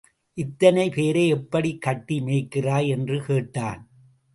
இத்தனை பேரை எப்படிக் கட்டி மேய்க்கிறாய்? என்று கேட்டான்.